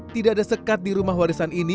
tidak ada sekat di rumah warisan ini